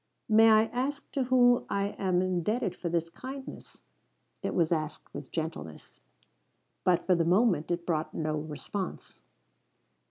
"May I ask to whom I am indebted for this kindness?" It was asked with gentleness. But for the moment it brought no response.